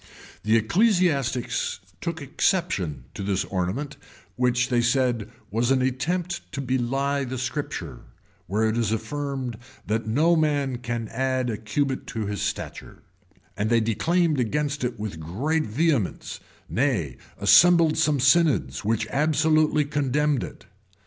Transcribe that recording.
[] The ecclesiastics took exception at this ornament, which, they said, was an attempt to bely the Scripture, where it is affirmed, that no man can add a cubit to his stature; and they declaimed against it with great vehemence, nay, assembled some synods, who absolutely condemned it.